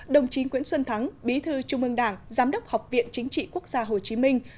đồng chí nguyễn xuân thắng bí thư trung ương đảng giám đốc học viện chính trị quốc gia hồ chí minh